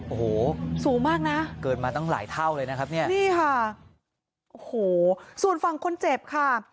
โอ้โหสูงมากนะเกินมาตั้งหลายเท่าเลยนะครับเนี่ยนี่ค่ะโอ้โหส่วนฝั่งคนเจ็บค่ะ